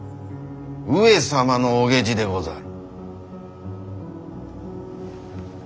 上様のお下知でござる。